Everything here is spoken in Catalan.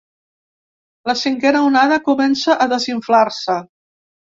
La cinquena onada comença a desinflar-se.